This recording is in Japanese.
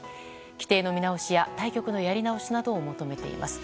規定の見直しや対局のやり直しなどを求めています。